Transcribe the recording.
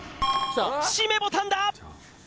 しめボタンだ！